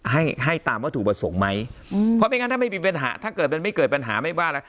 ให้ให้ตามวัตถุประสงค์ไหมอืมเพราะไม่งั้นถ้าไม่มีปัญหาถ้าเกิดมันไม่เกิดปัญหาไม่ว่าอะไร